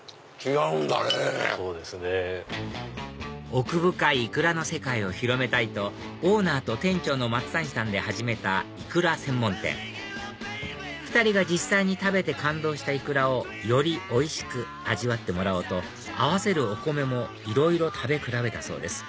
奥深いイクラの世界を広めたいとオーナーと店長の松谷さんで始めたイクラ専門店２人が実際に食べて感動したイクラをよりおいしく味わってもらおうと合わせるお米もいろいろ食べ比べたそうです